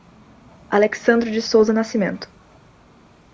Alecsandro de Sousa Nascimento